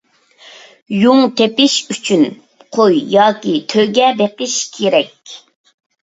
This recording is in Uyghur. يۇڭ تېپىش ئۈچۈن قوي ياكى تۆگە بېقىش كېرەك.